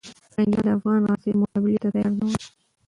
پرنګیان د افغان غازیو مقابلې ته تیار نه ول.